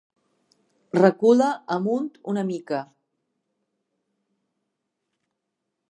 Recula amunt una mica.